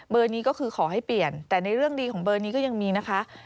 นี้ก็คือขอให้เปลี่ยนแต่ในเรื่องดีของเบอร์นี้ก็ยังมีนะคะ